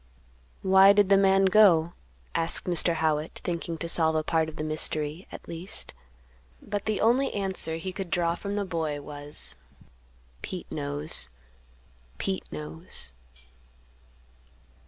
"Why did the man go?" asked Mr. Howitt, thinking to solve a part of the mystery, at least. But the only answer he could draw from the boy was, "Pete knows; Pete knows."